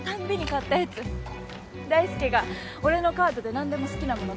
大介が俺のカードで何でも好きなもの買えって。